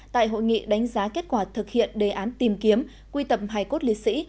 tại hội nghị đánh giá kết quả thực hiện đề án tìm kiếm quy tập hài cốt liệt sĩ